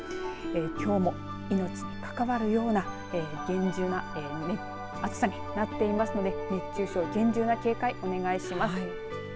きょうも命に関わるような暑さになっていますので熱中症に厳重な警戒お願いします。